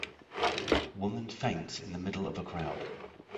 Woman faints in the middle of a crowd.